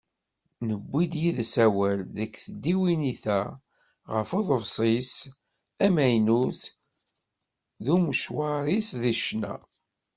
Newwi-d yid-s awal deg tdiwennit-a ɣef uḍebsi-s amaynut d umecwaṛ-is deg ccna.